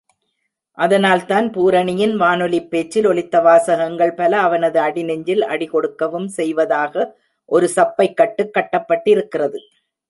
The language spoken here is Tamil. அதனால்தான் பூரணியின் வானொலிப்பேச்சில் ஒலித்த வாசகங்கள் பல அவனது அடிநெஞ்சில் அடி கொடுக்கவும் செய்வதாக ஒரு சப்பைக்கட்டுக் கட்டப்பட்டிருக்கிறது.